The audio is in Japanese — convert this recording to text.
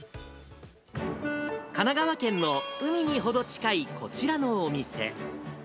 神奈川県の海に程近いこちらのお店。